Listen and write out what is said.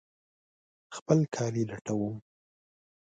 خپل کالي لټوم